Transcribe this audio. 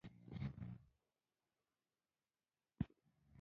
ولې پیمنټ وکړم.